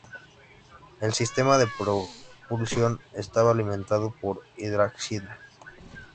El sistema de propulsión estaba alimentado por hidracina.